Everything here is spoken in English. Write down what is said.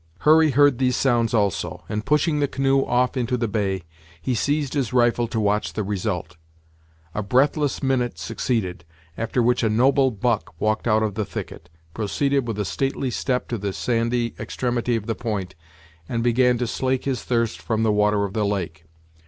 Hurry heard these sounds also, and pushing the canoe off into the bay, he seized his rifle to watch the result. A breathless minute succeeded, after which a noble buck walked out of the thicket, proceeded with a stately step to the sandy extremity of the point, and began to slake his thirst from the water of the lake.